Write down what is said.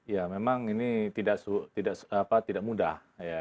ya memang ini tidak mudah